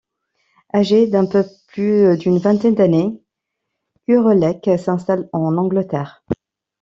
Âgé d'un peu plus d'une vingtaine d'années, Kurelek s'installe en Angleterre.